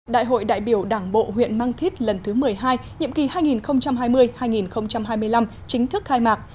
đại hội đại biểu đảng bộ huyện mang thít lần thứ một mươi hai nhiệm kỳ hai nghìn hai mươi hai nghìn hai mươi năm chính thức khai mạc